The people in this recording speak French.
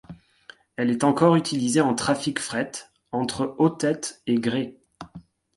Elle est encore utilisée en trafic fret, entre Autet et Gray.